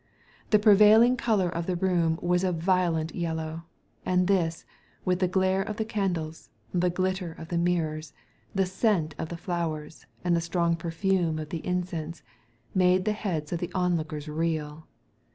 The prevailing colour of the room was a violent yellow ; and this, with the glare of the candles, the glitter of the mirrors, the scent of the flowers, and the strong perfume of the incense, made the heads of the onlookers reel.